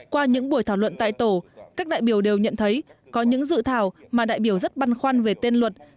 qua những buổi thảo luận tại tổ các đại biểu đều nhận thấy có những dự thảo mà đại biểu rất băn khoăn về tên luật sẽ có nội hàm